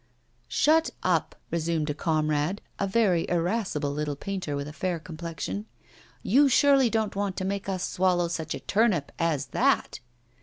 'Shut up!' resumed a comrade, a very irascible little painter with a fair complexion. 'You surely don't want to make us swallow such a turnip as that?